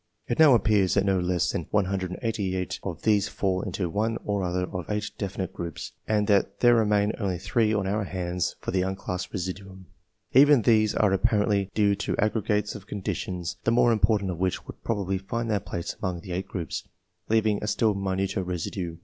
It now appears that no less than 188 of these fall into one or other of 8 definite groups, and that there remain only 3 on our hands for the unclassed residuimi. Even these are apparently due to aggregates of conditions, the more im portant of which would probably find their place among the 8 groups, leaving a still minuter residue.